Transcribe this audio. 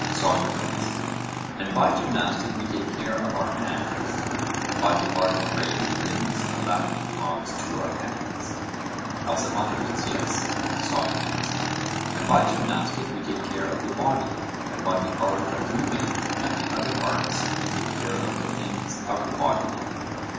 SOCRATES: And by gymnastic we take care of our hands, and by the art of graving rings of that which belongs to our hands? ALCIBIADES: Yes. SOCRATES: And by gymnastic we take care of the body, and by the art of weaving and the other arts we take care of the things of the body?